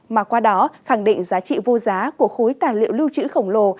mà qua đó khẳng định giá trị vô giá của khối tài liệu liêu chữ khổng lồ